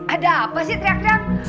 ada apa sih teriak teriak